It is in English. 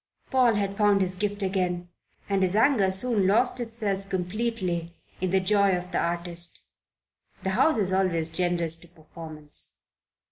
Paul had found his gift again, and his anger soon lost itself completely in the joy of the artist. The House is always generous to performance.